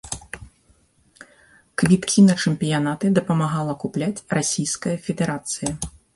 Квіткі на чэмпіянаты дапамагала купляць расійская федэрацыя.